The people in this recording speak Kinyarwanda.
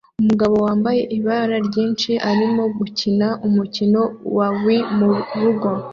Umugabo wambaye ibara ryinshi arimo gukina umukino wa Wii murugo